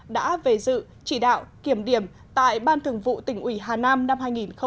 đã về dự chỉ đạo kiểm điểm tại ban thường vụ tỉnh ủy hà nam năm hai nghìn một mươi tám